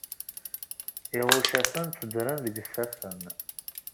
Iɣuccafen tteddren deg yisafen.